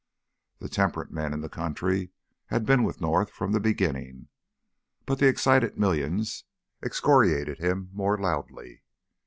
The temperate men in the country had been with North from the beginning, but the excited millions excoriated him the more loudly.